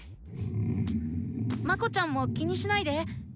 まこちゃんも気にしないで。